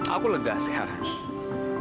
aku lega sekarang